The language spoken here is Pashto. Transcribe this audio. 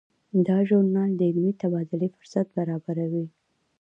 دا ژورنال د علمي تبادلې فرصت برابروي.